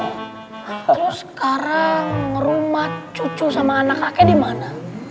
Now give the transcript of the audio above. terus sekarang rumah cucu sama anak kakek dimana